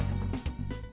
a còng truyền hình công an